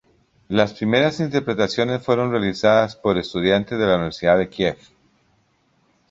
Las primeras interpretaciones fueron realizadas por estudiantes de la Universidad de Kiev.